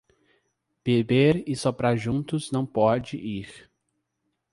Beber e soprar juntos não pode ir.